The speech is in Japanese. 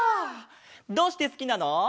どうしてすきなの？